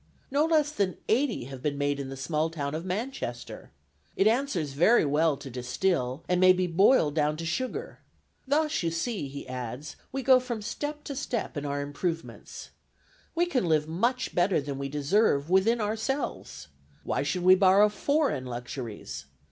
No less than eighty have been made in the small town of Manchester. It answers very well to distill, and may be boiled down to sugar. Thus you see," he adds, "we go from step to step in our improvements. We can live much better than we deserve within ourselves. Why should we borrow foreign luxuries?